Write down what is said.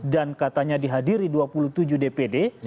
dan katanya dihadiri dua puluh tujuh dpd